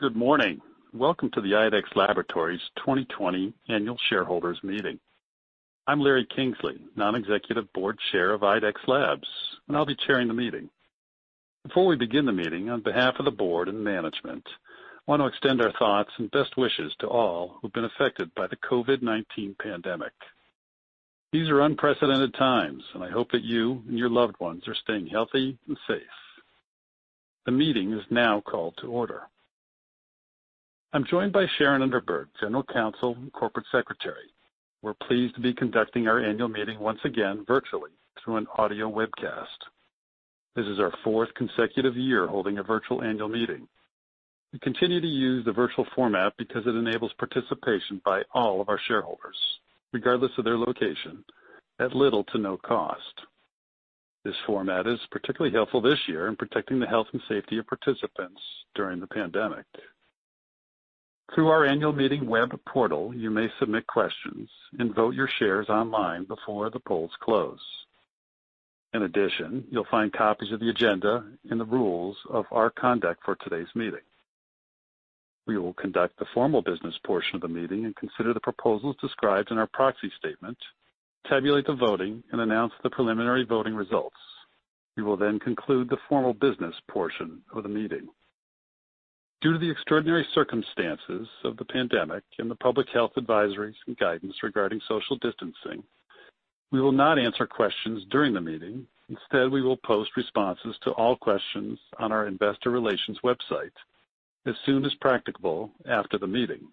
Good morning. Welcome to the IDEXX Laboratories 2020 annual shareholders meeting. I'm Larry Kingsley, Non-Executive Board Chair of IDEXX Labs, and I'll be chairing the meeting. Before we begin the meeting, on behalf of the board and management, I want to extend our thoughts and best wishes to all who've been affected by the COVID-19 pandemic. These are unprecedented times and I hope that you and your loved ones are staying healthy and safe. The meeting is now called to order. I'm joined by Sharon Underberg, General Counsel and Corporate Secretary. We're pleased to be conducting our annual meeting once again virtually, through an audio webcast. This is our fourth consecutive year holding a virtual annual meeting. We continue to use the virtual format because it enables participation by all of our shareholders, regardless of their location, at little to no cost. This format is particularly helpful this year in protecting the health and safety of participants during the pandemic. Through our annual meeting web portal, you may submit questions and vote your shares online before the polls close. In addition, you'll find copies of the agenda and the rules of our conduct for today's meeting. We will conduct the formal business portion of the meeting and consider the proposals described in our proxy statement, tabulate the voting, and announce the preliminary voting results. We will then conclude the formal business portion of the meeting. Due to the extraordinary circumstances of the pandemic and the public health advisories and guidance regarding social distancing, we will not answer questions during the meeting. Instead, we will post responses to all questions on our investor relations website as soon as practicable after the meeting.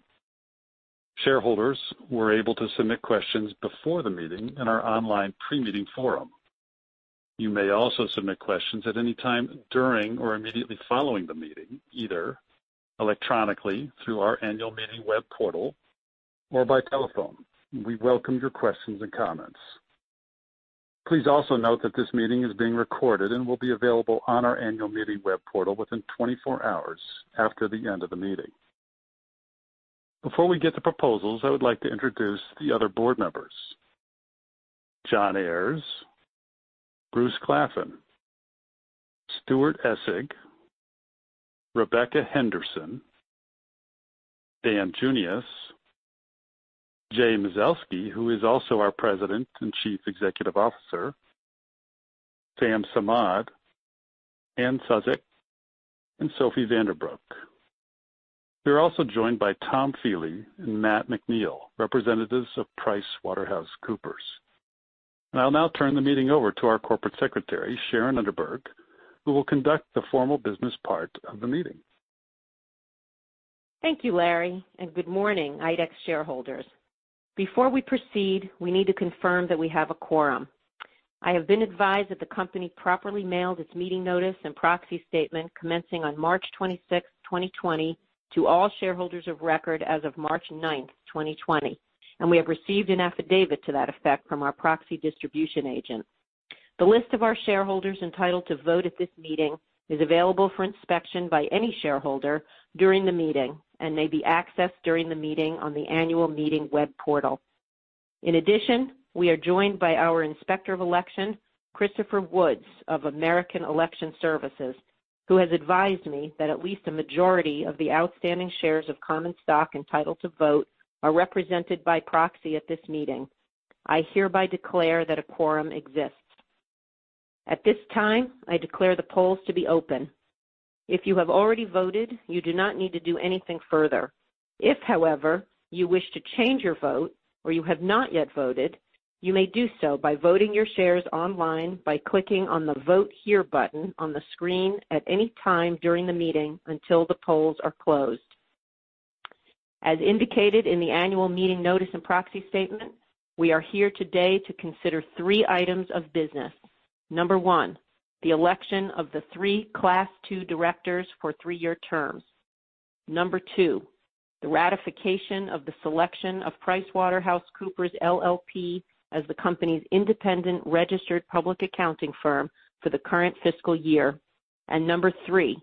Shareholders were able to submit questions before the meeting in our online pre-meeting forum. You may also submit questions at any time during or immediately following the meeting, either electronically through our annual meeting web portal or by telephone. We welcome your questions and comments. Please also note that this meeting is being recorded and will be available on our annual meeting web portal within 24 hours after the end of the meeting. Before we get to proposals, I would like to introduce the other board members. Jon Ayers, Bruce Claflin, Stuart Essig, Rebecca Henderson, Dan Junius, Jay Mazelsky, who is also our President and Chief Executive Officer, Sam Samad, Anne Szostak, and Sophie Vandebroek. We are also joined by Tom Feely and Matt McNeil, representatives of PricewaterhouseCoopers. I'll now turn the meeting over to our Corporate Secretary, Sharon Underberg, who will conduct the formal business part of the meeting. Thank you, Larry Kingsley, and good morning, IDEXX Laboratories shareholders. Before we proceed, we need to confirm that we have a quorum. I have been advised that the company properly mailed its meeting notice and proxy statement commencing on March 26, 2020, to all shareholders of record as of March 9, 2020, and we have received an affidavit to that effect from our proxy distribution agent. The list of our shareholders entitled to vote at this meeting is available for inspection by any shareholder during the meeting and may be accessed during the meeting on the annual meeting web portal. In addition, we are joined by our Inspector of Election, Christopher Woods of American Election Services, who has advised me that at least a majority of the outstanding shares of common stock entitled to vote are represented by proxy at this meeting. I hereby declare that a quorum exists. At this time, I declare the polls to be open. If you have already voted, you do not need to do anything further. If, however, you wish to change your vote or you have not yet voted, you may do so by voting your shares online by clicking on the Vote Here button on the screen at any time during the meeting until the polls are closed. As indicated in the annual meeting notice and proxy statement, we are here today to consider three items of business. Number one, the election of the three Class II directors for three-year terms. Number two, the ratification of the selection of PricewaterhouseCoopers LLP as the company's independent registered public accounting firm for the current fiscal year. Number three,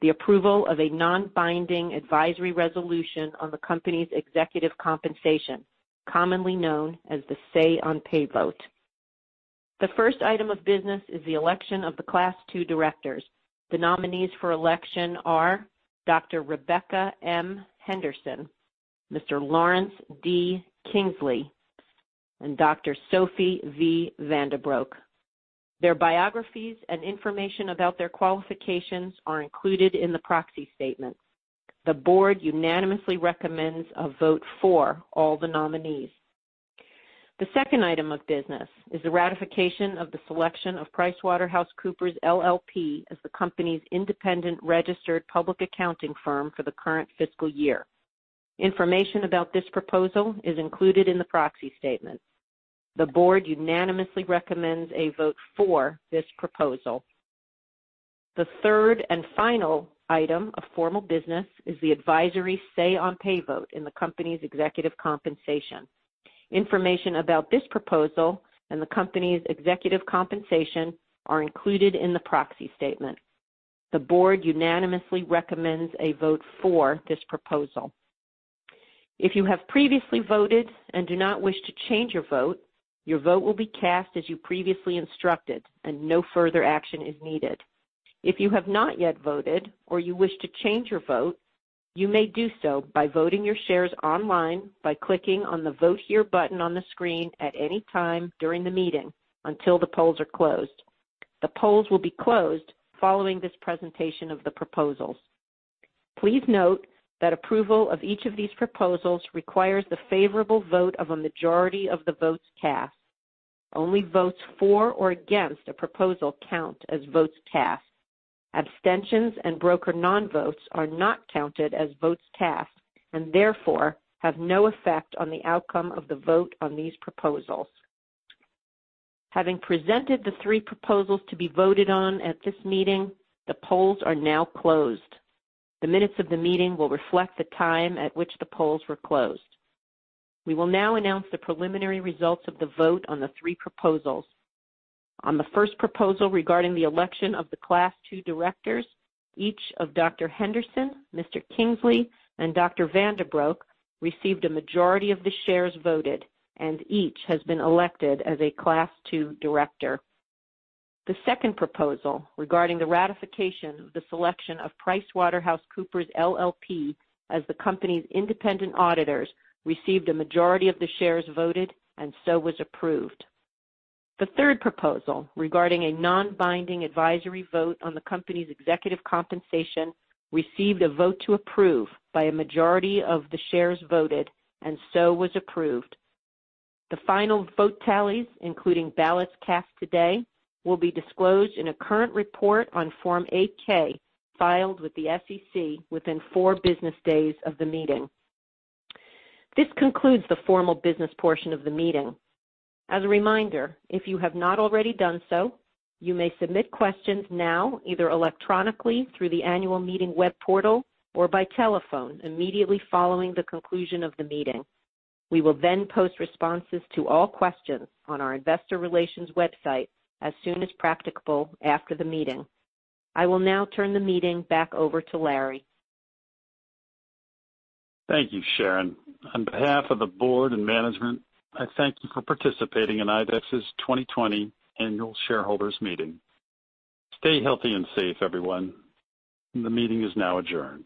the approval of a non-binding advisory resolution on the company's executive compensation, commonly known as the Say on Pay vote. The first item of business is the election of the Class II directors. The nominees for election are Dr. Rebecca M. Henderson, Mr. Lawrence D. Kingsley, and Dr. Sophie V. Vandebroek. Their biographies and information about their qualifications are included in the proxy statement. The board unanimously recommends a vote for all the nominees. The second item of business is the ratification of the selection of PricewaterhouseCoopers LLP as the company's independent registered public accounting firm for the current fiscal year. Information about this proposal is included in the proxy statement. The board unanimously recommends a vote for this proposal. The third and final item of formal business is the advisory Say on Pay vote in the company's executive compensation. Information about this proposal and the company's executive compensation are included in the proxy statement. The board unanimously recommends a vote for this proposal. If you have previously voted and do not wish to change your vote, your vote will be cast as you previously instructed, and no further action is needed. If you have not yet voted or you wish to change your vote, you may do so by voting your shares online by clicking on the Vote Here button on the screen at any time during the meeting until the polls are closed. The polls will be closed following this presentation of the proposals. Please note that approval of each of these proposals requires the favorable vote of a majority of the votes cast. Only votes for or against a proposal count as votes cast. Abstentions and broker non-votes are not counted as votes cast and therefore have no effect on the outcome of the vote on these proposals. Having presented the three proposals to be voted on at this meeting, the polls are now closed. The minutes of the meeting will reflect the time at which the polls were closed. We will now announce the preliminary results of the vote on the three proposals. On the first proposal regarding the election of the Class II directors, each of Dr. Rebecca M. Henderson, Mr. Lawrence D. Kingsley, and Dr. Sophie V. Vandebroek received a majority of the shares voted, and each has been elected as a Class II director. The second proposal regarding the ratification of the selection of PricewaterhouseCoopers LLP as the company's independent auditors received a majority of the shares voted and so was approved. The third proposal, regarding a non-binding advisory vote on the company's executive compensation, received a vote to approve by a majority of the shares voted and so was approved. The final vote tallies, including ballots cast today, will be disclosed in a current report on Form 8-K filed with the SEC within four business days of the meeting. This concludes the formal business portion of the meeting. As a reminder, if you have not already done so, you may submit questions now either electronically through the annual meeting web portal or by telephone immediately following the conclusion of the meeting. We will then post responses to all questions on our investor relations website as soon as practicable after the meeting. I will now turn the meeting back over to Larry Kingsley. Thank you, Sharon Underberg. On behalf of the board and management, I thank you for participating in IDEXX Laboratories 2020 Annual Shareholders Meeting. Stay healthy and safe, everyone. The meeting is now adjourned.